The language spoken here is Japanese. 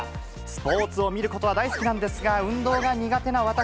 スポーツを見ることは大好きなんですが、運動が苦手な私。